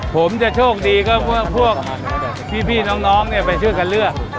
ผมจะโชคดีก็ว่าพวกพี่น้องไปช่วยกันเลือก